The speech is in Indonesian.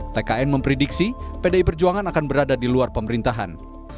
tkn memprediksi pdi perjuangan akan berada di luar pemerintahan